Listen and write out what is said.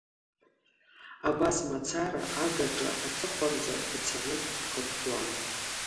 Абас мацара агаҿа аҵыхәанӡа дцаны дхынҳәуан.